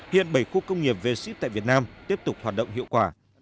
hiện bảy khu công nghiệp v ship tại việt nam tiếp tục hoạt động hiệu quả